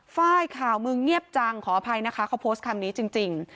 ไฟล์ข่าวมึงเงียบจังขออภัยนะคะเขาโพสต์คำนี้จริง